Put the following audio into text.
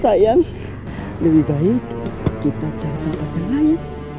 sayang lebih baik kita cari tempat lain